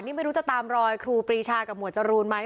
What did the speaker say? นี่ไม่รู้จะตามรอยครูปรีชากับหมวดจรูนไหม